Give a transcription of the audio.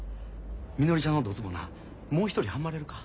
みのりちゃんのドツボなもう一人ハマれるか？